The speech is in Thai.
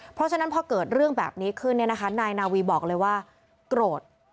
เพราะฉะนั้นพอเกิดเรื่องแบบนี้ขึ้นเนี่ยนะคะนายนาวีบอกเลยว่าโกรธ